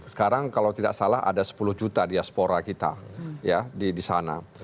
sekarang kalau tidak salah ada sepuluh juta diaspora kita di sana